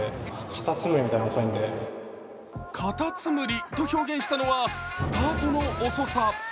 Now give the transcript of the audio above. かたつむりと表現したのはスタートの遅さ。